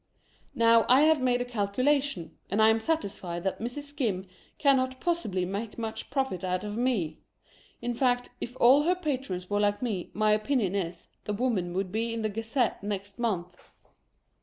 Now, I have made a calculation, and I am satisfied that Mrs. Skim cannot possibly make much profit out of me. In fact, if all her patrons were like me, my opinion is, the woman would be in the Gazette next month.